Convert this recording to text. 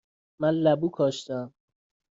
من لبو کاشتم.